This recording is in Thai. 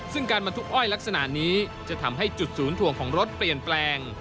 ซึ่งการบรรทุกอ้อยลักษณะนี้จะทำให้จุดศูนย์ถ่วงของรถเปลี่ยนแปลง